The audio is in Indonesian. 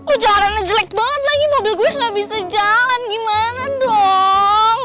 ujarannya jelek banget lagi mobil gue gak bisa jalan gimana dong